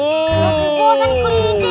iya sih bos ini kelinci